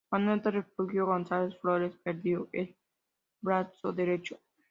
Manuel del Refugio González Flores perdió el brazo derecho.